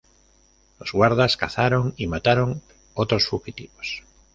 Los guardas cazaron y mataron otros fugitivos.